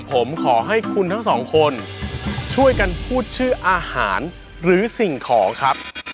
ผมขอให้คุณทั้งสองคนช่วยกันพูดชื่ออาหารหรือสิ่งของครับ